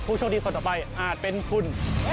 โชคดีคนต่อไปอาจเป็นคุณ